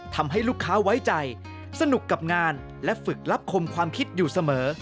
ทำให้ลูกค้าไว้ใจสนุกกับงานและฝึกรับคมความคิดอยู่เสมอ